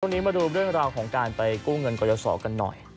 มาดูเรื่องราวของการไปกู้เงินกรยาศรกันหน่อย